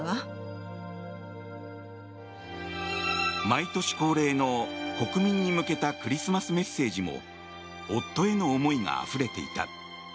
毎年恒例の、国民に向けたクリスマスメッセージも夫への思いがあふれていた。